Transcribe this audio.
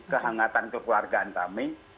kehangatan kekeluargaan kami